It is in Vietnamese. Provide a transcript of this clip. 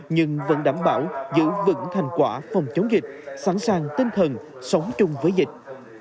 nhưng vẫn đảm bảo giữ vững thành quả phòng chống dịch sẵn sàng tinh thần sống chung với dịch